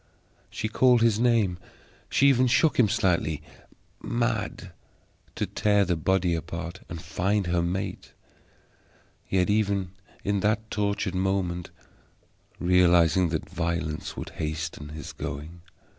She called his name, she even shook him slightly, mad to tear the body apart and find her mate, yet even in that tortured moment realizing that violence would hasten his going.